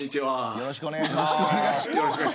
よろしくお願いします。